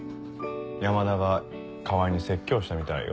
山田が川合に説教したみたいよ。